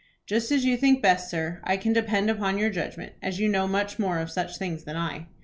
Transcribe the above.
"Just as you think best, sir. I can depend upon your judgment, as you know much more of such things than I."